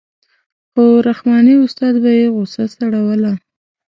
خو رحماني استاد به یې غوسه سړوله.